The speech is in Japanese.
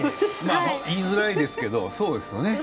言いづらいですけれどもそうですね。